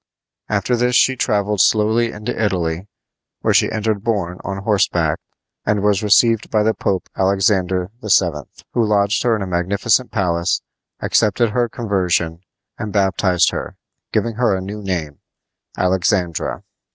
After this she traveled slowly into Italy, where she entered Borne on horseback, and was received by the Pope, Alexander VII., who lodged her in a magnificent palace, accepted her conversion, and baptized her, giving her a new name, Alexandra.